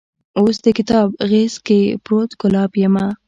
اوس دکتاب غیز کې پروت ګلاب یمه